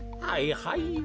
はいはい。